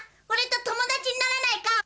俺と友達にならないか？